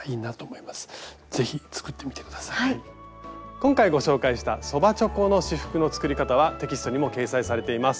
今回ご紹介したそばちょこの仕覆の作り方はテキストにも掲載されています。